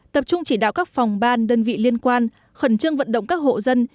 tập trung chỉ đạo các phòng ban đơn vị liên quan khẩn trương vận động các hộ dân